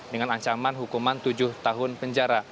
dengan ancaman hukuman tujuh tahun penjara